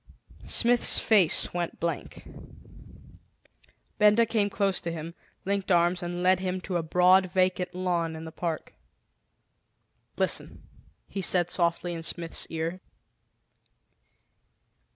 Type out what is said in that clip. Smith's face went blank. Benda came close to him, linked arms and led him to a broad vacant lawn in the park. "Listen!" he said softly in Smith's ear.